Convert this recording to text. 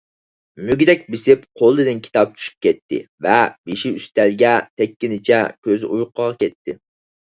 مۈگدەك بېسىپ قولىدىن كىتاب چۈشۈپ كەتتى ۋە بېشى ئۈستەلگە تەگكىنىچە كۆزى ئۇيقۇغا كەتتى.